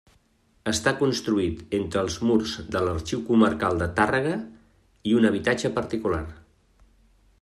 Està construït entre els murs de l'Arxiu comarcal de Tàrrega i un habitatge particular.